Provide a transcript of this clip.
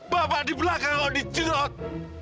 bapak di belakang kau dicerot